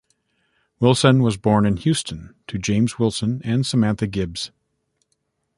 Wilson was born in Houston to James Wilson and Samantha Gibbs.